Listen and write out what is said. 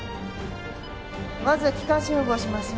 まず気管支吻合します。